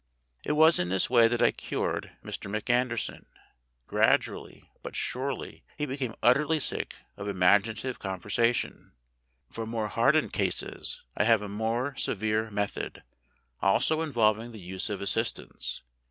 It was in this way that I cured Mr. McAnderson; gradually, but surely, he became utterly sick of imaginative con versation. For very hardened cases I have a more severe method, also involving the use of assistants.